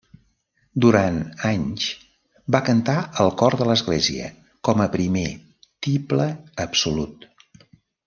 Durant anys va cantar al cor de l'església com a primer tiple absolut.